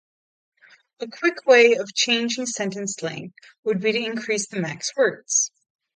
A quick way of changing sentence length would be to increase the max words